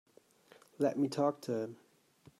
Let me talk to him.